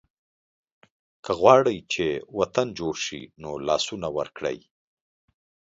که غواړئ چې وطن جوړ شي نو لاسونه ورکړئ.